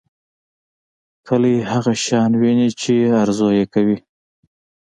کلی هغه شان ويني چې ارزو یې کوي.